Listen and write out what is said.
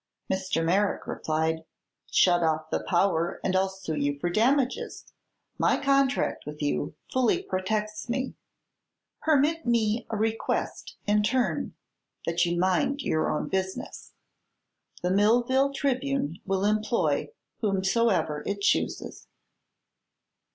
Mr. Merrick replied: "Shut off the power and I'll sue you for damages. My contract with you fully protects me. Permit me a request in turn: that you mind your own business. The Millville Tribune will employ whomsoever it chooses."